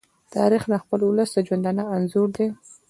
تاریخ د خپل ولس د ژوندانه انځور دی.